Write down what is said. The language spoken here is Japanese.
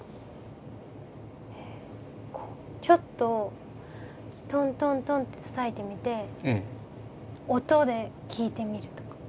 ちょっとトントントンってたたいてみて音で聞いてみるとか。